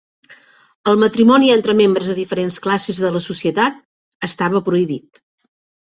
El matrimoni entre membres de diferents classes de la societat estava prohibit.